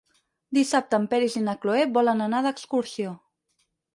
Dissabte en Peris i na Cloè volen anar d'excursió.